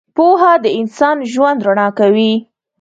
• پوهه د انسان ژوند رڼا کوي.